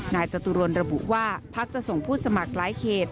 จตุรนระบุว่าพักจะส่งผู้สมัครหลายเขต